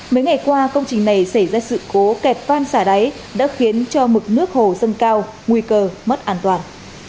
mấy ngày qua công trình này xảy ra sự cố kẹt van xả đáy đã khiến cho mực nước hồ dâng cao nguy cơ mất an toàn